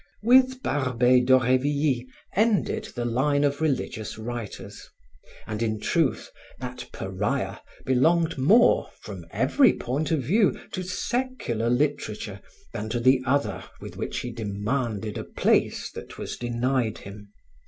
With Barbey d'Aurevilly ended the line of religious writers; and in truth, that pariah belonged more, from every point of view, to secular literature than to the other with which he demanded a place that was denied him.